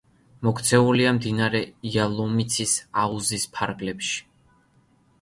მოქცეულია მდინარე იალომიცის აუზის ფარგლებში.